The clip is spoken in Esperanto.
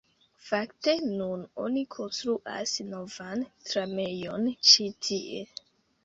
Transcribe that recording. Fakte, nun oni konstruas novan tramejon ĉi tie